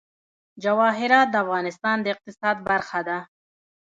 جواهرات د افغانستان د اقتصاد برخه ده.